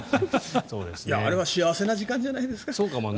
あれは幸せな時間じゃないですか。